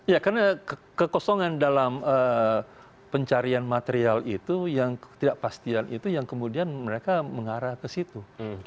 ya karena kekosongan dalam pencarian material itu yang ketidakpastian itu yang kemudian mereka mengarah ke situ